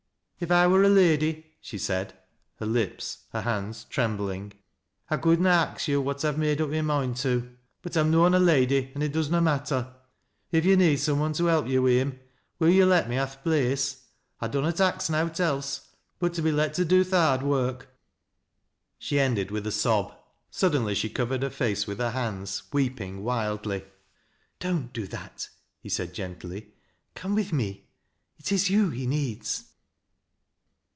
" If I wur a lady," she said, her lips, her hands tremb ling, " I could na ax yo' what I've made up my moind to : but I'm noan a lady, an' it does na matter. If yo' need Bome one to' help yo' wi' him, will yo' let me ha' th' place 1 I dunnot ax nowt else but — but to be let do th' hard woi'k." She ended with a sob. Suddenly she covered her face vith her han^s, weeping wildly. " Don't do that," he said, gently. " Come with me. It if you he needs."